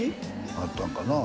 あったんかなあ